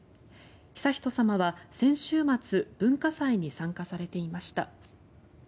悠仁さまは先週末文化祭に参加されていました。